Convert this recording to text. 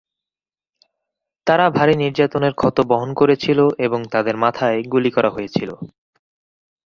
তারা ভারী নির্যাতনের ক্ষত বহন করেছিল এবং তাদের মাথায় গুলি করা হয়েছিল।